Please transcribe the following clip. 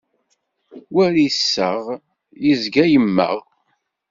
War iseɣ, yezga yemmeɣ.